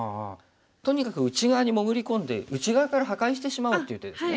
とにかく内側に潜り込んで内側から破壊してしまおうという手ですね。